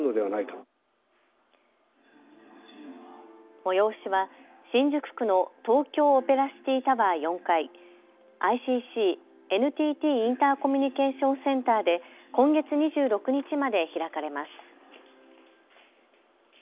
催しは新宿区の東京オペラシティタワー４階、ＩＣＣ・ＮＴＴインターコミュニケーション・センターで今月２６日まで開かれます。